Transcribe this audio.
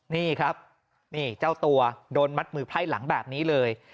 นี่ครับนี่เจ้าตัวโดนมัดมือไพร่หลังแบบนี้เลย